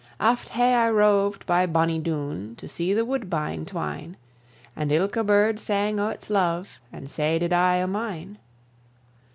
Aft hae I rov'd by bonnie Doon, To see the woodbine twine, And ilka bird sang o' its love, And sae did I o' mine.